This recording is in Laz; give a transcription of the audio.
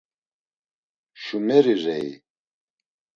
Şumeri rei?